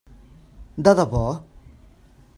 De debò?